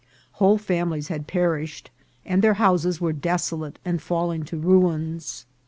Whole families had perished, and their houses were desolate and falling to ruins.